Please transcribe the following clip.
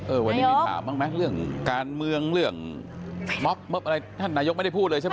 วันนี้มีถามบ้างไหมเรื่องการเมืองเรื่องม็อบอะไรท่านนายกไม่ได้พูดเลยใช่ไหม